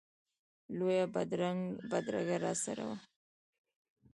لویه بدرګه راسره وه.